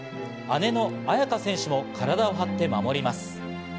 姉の亜矢可選手も体を張って守ります。